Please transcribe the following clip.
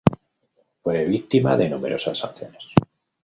Fue víctima de numerosas sanciones.